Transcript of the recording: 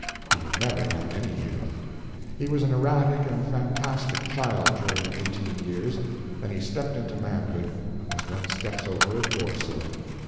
He had never had any youth. He was an erratic and fantastic child during eighteen years, then he stepped into manhood, as one steps over a door sill.